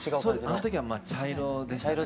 あの時は茶色でしたね。